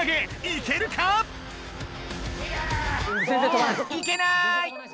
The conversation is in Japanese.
いけない！